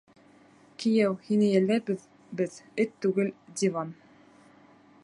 Кейәү, һине йәлләйбеҙ беҙ, Эт түгел, диван.